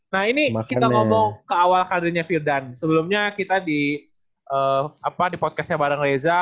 nah ini kita ngomong ke awal karir nya vildan sebelumnya kita di podcast nya bareng reza